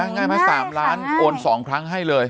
ง่ายไหม๓ล้านโอน๒ครั้งให้เลย